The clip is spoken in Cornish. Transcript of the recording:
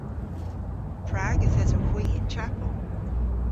Prag yth esowgh hwi y'n chapel?